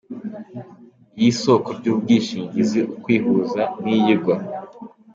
y’isoko ry’ubwishingizi, ukwihuza na iyigwa.